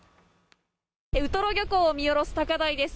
ウトロ漁港を見下ろす高台です。